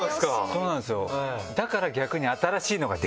そうなんですよだから。